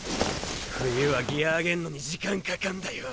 冬はギア上げんのに時間かかんだよ。